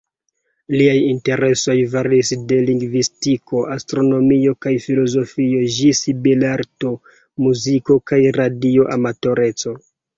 Liaj interesoj variis de lingvistiko, astronomio kaj filozofio ĝis belarto, muziko kaj radio-amatoreco.